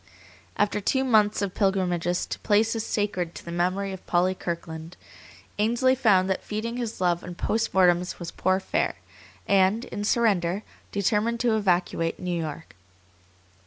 After two months of pilgrimages to places sacred to the memory of Polly Kirkland, Ainsley found that feeding his love on post mortems was poor fare, and, in surrender, determined to evacuate New York.